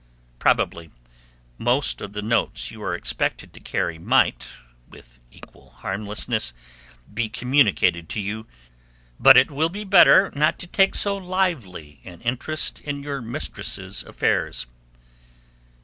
Probably most of the notes you are expected to carry might, with equal harmlessness, be communicated to you; but it will be better not to take so lively an interest in your mistress's affairs.